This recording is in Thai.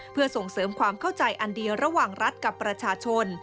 เพื่อส่งเสริมความเข้าใจอันเดียวระหว่างรัฐกับประชาชน